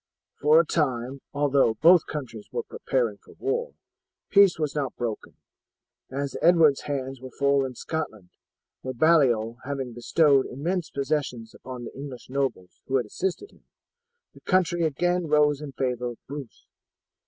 For a time, although both countries were preparing for war, peace was not broken, as Edward's hands were full in Scotland, where Baliol having bestowed immense possessions upon the English nobles who had assisted him, the country again rose in favour of Bruce.